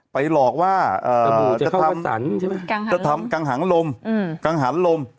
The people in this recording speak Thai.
ไปหลอกว่าจะทำกังหังลม